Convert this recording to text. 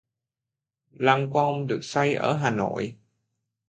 lăng của ông được xây ở Hà Nội